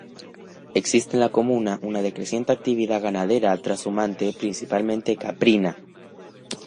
Existe en la comuna una decreciente actividad ganadera trashumante principalmente caprina.